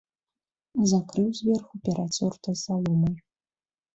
Закрыў зверху перацёртай саломай.